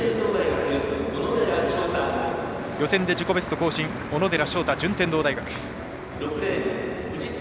予選で自己ベスト更新小野寺将太、順天堂大学。